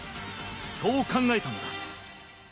そう考えたのだ。